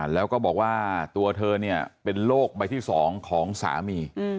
แล้วก็บอกว่าตัวเธอเป็นโรคใบที่๒ของสามี